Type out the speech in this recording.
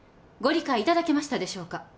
ご理解いただけましたでしょうか